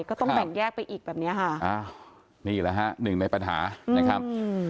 ก็ต้องแบ่งแยกไปอีกแบบเนี้ยค่ะอ้าวนี่แหละฮะหนึ่งในปัญหานะครับอืม